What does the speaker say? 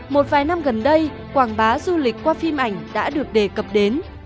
một vài năm gần đây quảng bá du lịch qua phim ảnh đã được đề cập đến